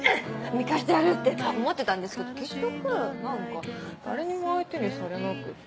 見返してやるって思ってたんですけど結局何か誰にも相手にされなくって。